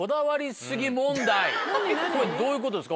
これどういうことですか？